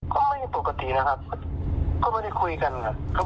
ก็ไม่ได้ปกตินะครับก็ไม่ได้คุยกันครับ